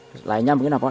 selainnya mungkin apa